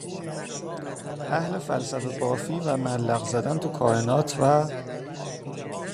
اهلِ فلسفه بافی و ملق زدن تو کائنات و